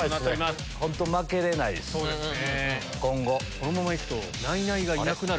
このままいくと。